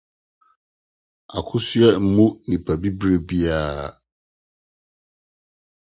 Akosua mmu nipa bibire biara.